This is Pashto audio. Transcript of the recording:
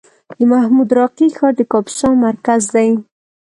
د محمود راقي ښار د کاپیسا مرکز دی